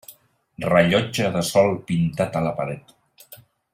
Rellotge de sol pintat a la paret.